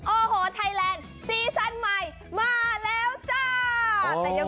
โอ้โหไทยแลนด์ซีซั่นใหม่มาแล้วจ้า